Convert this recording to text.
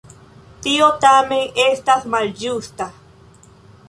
Tio tamen estas malĝusta.